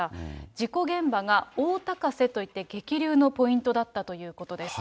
事故現場が大高瀬といって、激流のポイントだったということです。